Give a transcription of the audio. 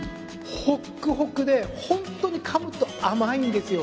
ほっくほくでホントにかむと甘いんですよ。